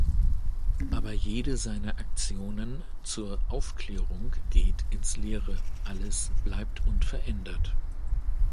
Aber jede seiner Aktionen zur Aufklärung geht ins Leere, alles bleibt unverändert.